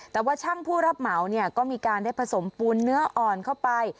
แต่ว่าช่างผู้รับเหมาเนี่ยก็มีการได้ผสมปูนเนื้ออ่อนเข้าไป